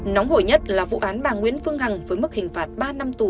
nóng hổi nhất là vụ án bà nguyễn phương hằng với mức hình phạt ba năm tù